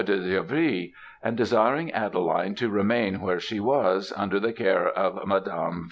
de Givry; and desiring Adeline to remain where she was, under the care of Mdme.